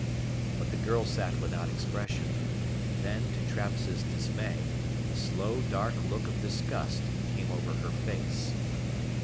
But the girl sat without expression. Then, to Travis' dismay, a slow dark look of disgust came over her face.